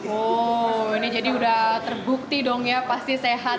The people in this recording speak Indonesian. oh ini jadi udah terbukti dong ya pasti sehat